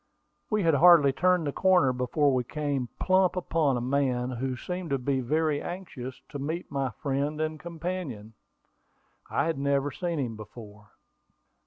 We had hardly turned the corner before we came plump upon a man who seemed to be very anxious to meet my friend and companion. I had never seen him before.